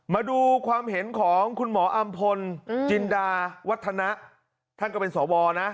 มาดูความเห็นของคุณหมออำพลจินดาวัฒนะท่านก็เป็นสวนะ